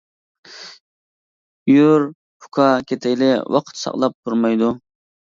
يۈر، ئۇكا، كېتەيلى، ۋاقىت ساقلاپ تۇرمايدۇ.